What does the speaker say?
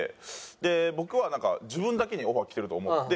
で僕は自分だけにオファー来てると思って。